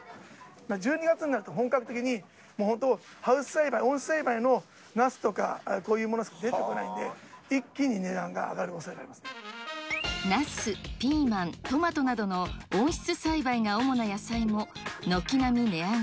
１２月になると本格的にもう本当、ハウス栽培、温室栽培のナスとかこういうものしか出てこないんで、一気に値段ナス、ピーマン、トマトなどの、温室栽培が主な野菜も軒並み値上げ。